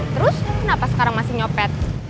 terus kenapa sekarang masih nyopet